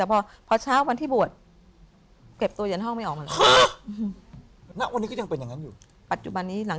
๙ปีเขาออกนอกบ้านไม่เกิน๕ครั้ง